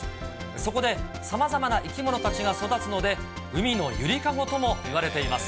そこでさまざまな生き物たちが育つので、海の揺りかごともいわれています。